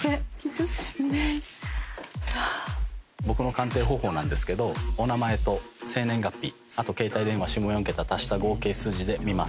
僕の鑑定方法ですけどお名前と生年月日あと携帯電話下４桁足した合計数字で見ます。